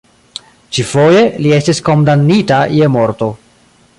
Ĉi-foje, li estis kondamnita je morto.